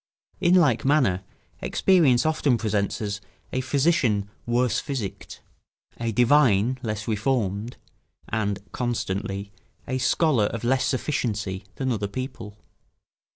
In like manner, experience often presents us a physician worse physicked, a divine less reformed, and (constantly) a scholar of less sufficiency, than other people.